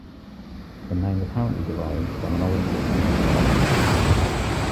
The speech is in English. The name apparently derives from an old English hunting cry.